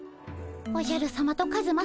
おじゃるさまとカズマさま